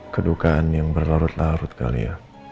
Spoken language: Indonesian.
kedukaan yang berlarut larut kali ya